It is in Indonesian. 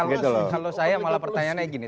kalau saya malah pertanyaannya gini